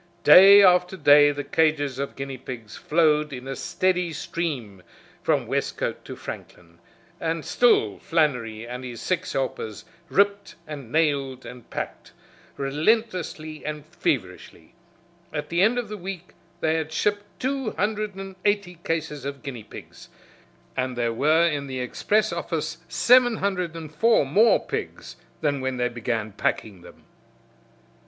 Day after day the cages of guineapigs flowed in a steady stream from Westcote to Franklin, and still Flannery and his six helpers ripped and nailed and packed relentlessly and feverishly. At the end of the week they had shipped two hundred and eighty cases of guinea pigs, and there were in the express office seven hundred and four more pigs than when they began packing them.